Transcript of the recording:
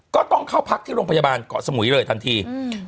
ก็ต้องเข้าพักที่โรงพยาบาลเกาะสมุยเลยทันที